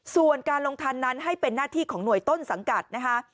ส่วนการลงทันนั้นให้เป็นหน้าที่ของหน่วยต้นสังกัดนะคะ